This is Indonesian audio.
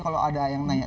kalau ada yang nanya